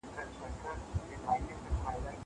درباب غلې نغمه ده